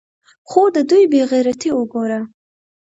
خو د دوى بې غيرتي اوګوره.